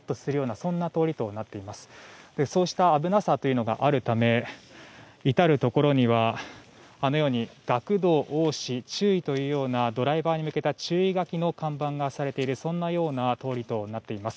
そうした危なさがあるため至るところには「学童多し注意」というようなドライバーに向けた注意書きの看板が置かれているそんなような通りとなっています。